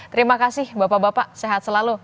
terima kasih bapak bapak sehat selalu